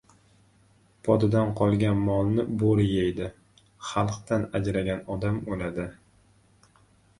• Podadan qolgan molni bo‘ri yeydi, xalqdan ajragan odam o‘ladi.